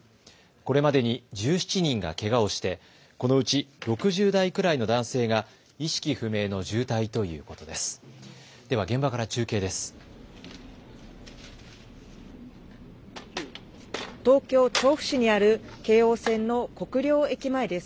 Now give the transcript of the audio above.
これまでに１７人がけがをしてこのうち６０代くらいの男性が意識不明の重体ということです。